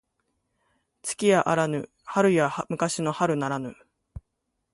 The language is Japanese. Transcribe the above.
月やあらぬ春や昔の春ならぬ